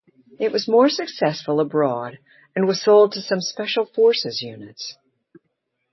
It was more successful abroad, and was sold to some special forces units.